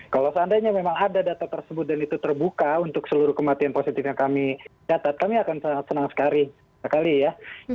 kalau seandainya memang ada data tersebut dan itu terbuka untuk seluruh kematian positif yang kami catat kami akan sangat senang sekali ya